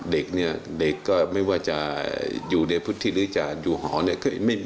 เด็กเนี่ยเด็กก็ไม่ว่าจะอยู่ในพุทธิหรือจะอยู่หอเนี่ย